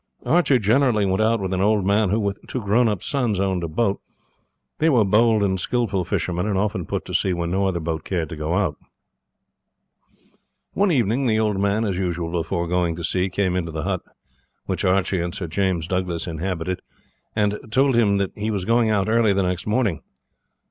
Archie generally went out with an old man, who with two grownup sons owned a boat. They were bold and skilful fishermen, and often put to sea when no other boat cared to go out. One evening the old man, as usual before going to sea, came into the hut which Archie and Sir James Douglas inhabited, and told him that he was going out early the next morning.